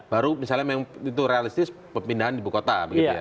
baru misalnya itu realistis pemindahan di buku kota